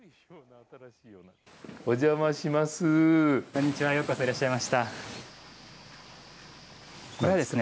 お邪魔します。